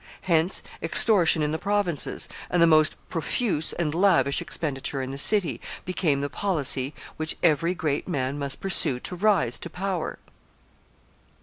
Hence extortion in the provinces, and the most profuse and lavish expenditure in the city, became the policy which every great man must pursue to rise to power.